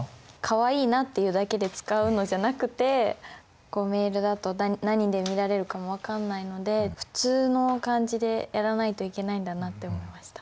かわいいなっていうだけで使うのじゃなくてメールだと何で見られるかも分かんないので普通の感じでやらないといけないんだなって思いました。